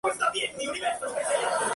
Se encuentran en Kazajistán y Rusia.